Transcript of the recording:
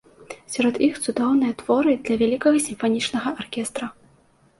Сярод іх цудоўныя творы для вялікага сімфанічнага аркестра.